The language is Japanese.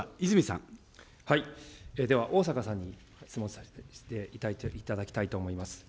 では逢坂さんに質問させていただきたいと思います。